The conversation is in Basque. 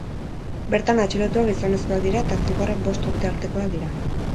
Bertan atxilotuak gizonezkoak dira eta zigorrak bost urte artekoak dira.